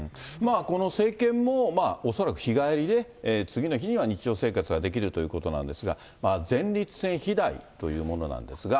この生検も恐らく日帰りで次の日には日常生活ができるということなんですが、前立腺肥大というものなんですが。